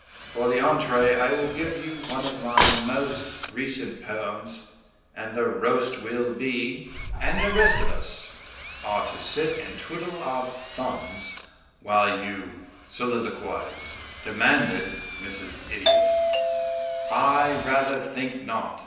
For the entrée I will give you one of my most recent poems, and the roast will be " "And the rest of us are to sit and twiddle our thumbs while you soliloquize?" demanded Mrs. Idiot. "I rather think not.